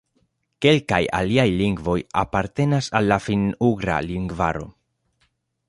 Kelkaj aliaj lingvoj apartenas al la Finn-ugra lingvaro.